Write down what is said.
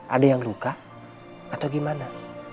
ada yang luka atau gimana